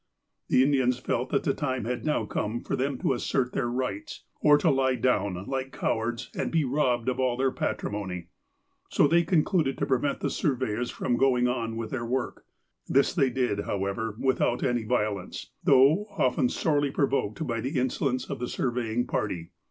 The Indians felt that the time had now come for them to assert their rights, or to lie down, like cowards, and be robbed of all their patrimony. So they concluded to prevent the surveyors from going on with their work. Tliis they did, however, without any violence, though often sorely provoked by the insolence of the surveying party.